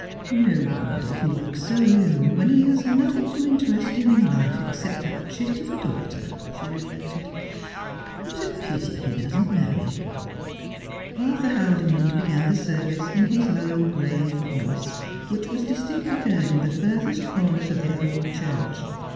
' No wonder he looks so ill when he has nothing to interest him in life except that chit of a daughter,' she reflected. ' What a pity he doesn't marry !' Arthur Haldimond began the service in his low, grave voice, which was distinctly heard in the furthest corners of the old church.